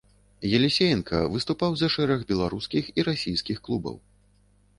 Елісеенка выступаў за шэраг беларускіх і расійскіх клубаў.